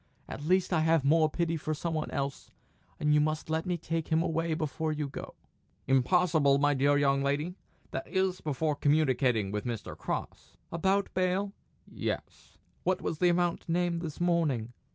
At least I have more pity for some one else, and you must let me take him away before you go." "Impossible, my dear young lady that is, before communicating with Mr. Cross." "About bail?" "Yes." "What was the amount named this morning?"